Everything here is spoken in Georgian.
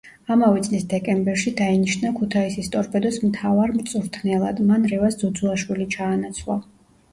ამავე წლის დეკემბერში დაინიშნა ქუთაისის „ტორპედოს“ მთავარ მწვრთნელად, მან რევაზ ძოძუაშვილი ჩაანაცვლა.